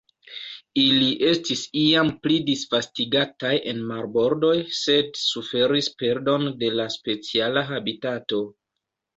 Ili estis iam pli disvastigataj en marbordoj, sed suferis perdon de la speciala habitato.